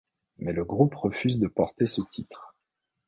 Mais le groupe refuse de porter ce titre.